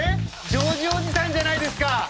ジョージおじさんじゃないですか！